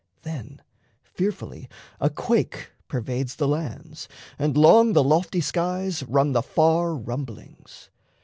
Then fearfully a quake Pervades the lands, and 'long the lofty skies Run the far rumblings.